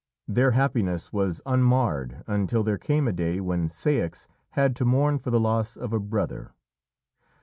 Their happiness was unmarred until there came a day when Ceyx had to mourn for the loss of a brother.